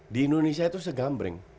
di indonesia itu segambreng